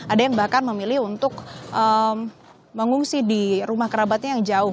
ada yang bahkan memilih untuk mengungsi di rumah kerabatnya yang jauh